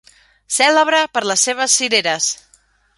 Cèlebre per les seves cireres.